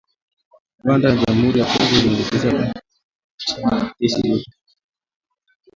Rwanda na Jamhuri ya kidemokrasia ya Kongo zilishirikiana katika oparesheni ya kijeshi iliyopita katika kukabiliana na makundi ya waasi